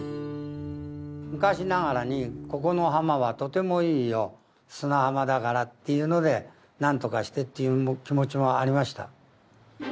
昔ながらにここの浜はとてもいいよ砂浜だからっていうのでなんとかしてっていう気持ちもありました。